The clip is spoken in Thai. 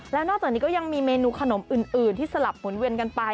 แล้วนอกจากนี้ก็ยังมีเมนูขนมอื่นที่สลับหมุนเวียนกันไป